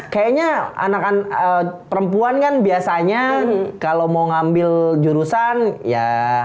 kayaknya anak anak perempuan kan biasanya kalau mau ngambil jurusan ya